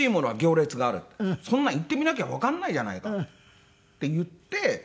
「そんなの行ってみなきゃわかんないじゃないか」と。って言って。